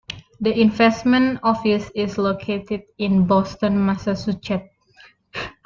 The Investment Office is located in Boston, Massachusetts.